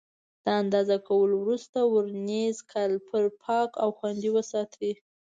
د اندازه کولو وروسته ورنیز کالیپر پاک او خوندي وساتئ.